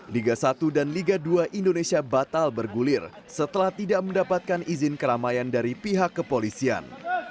liga satu dan liga dua indonesia batal bergulir setelah tidak mendapatkan izin keramaian dari pihak kepolisian